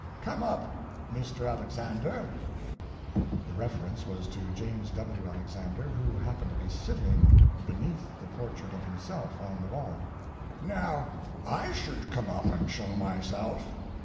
Come up, Mr. Alexander. [The reference was to James W. Alexander, who happened to be sitting—beneath the portrait of himself on the wall.] Now, I should come up and show myself.